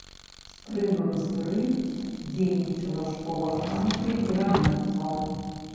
Пры манастыры дзейнічала школа граматы і рамёстваў.